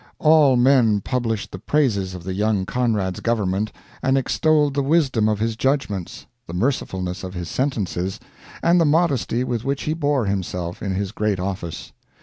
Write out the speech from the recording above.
All men published the praises of the young Conrad's government and extolled the wisdom of his judgments, the mercifulness of his sentences, and the modesty with which he bore himself in his great office.